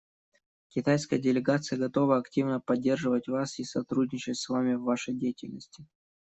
Китайская делегация готова активно поддерживать вас и сотрудничать с вами в вашей деятельности.